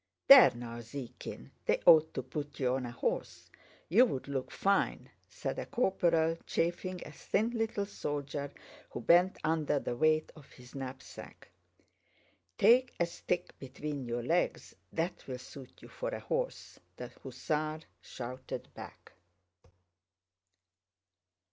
"There now, Zíkin, they ought to put you on a horse. You'd look fine," said a corporal, chaffing a thin little soldier who bent under the weight of his knapsack. "Take a stick between your legs, that'll suit you for a horse!" the hussar shouted back.